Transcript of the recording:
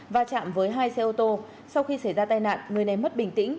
và chạm với hai xe ô tô sau khi xảy ra tai nạn người này mất bình tĩnh